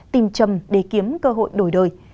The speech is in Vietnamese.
tìm chầm để kiếm cơ hội đổi đời